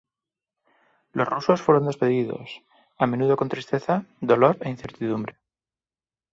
Los rusos fueron despedidos, a menudo con tristeza, dolor e incertidumbre.